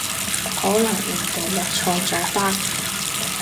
可能人哋落錯咗單